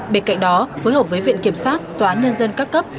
bên cạnh đó phối hợp với viện kiểm sát tòa án nhân dân các cấp